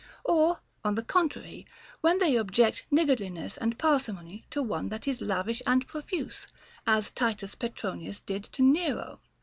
Or, on the contrary, when they object niggardliness and parsi mony to one that is lavish and profuse, as Titus Petronius did to Nero.